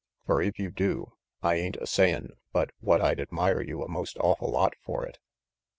Fer if you do, I ain't a sayin' but what I'd admire you a most awful lot for it.